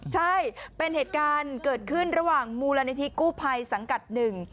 ใช่เป็นเหตุการณ์เกิดขึ้นระหว่างมูลนิธิกู้ภัยสังกัดหนึ่ง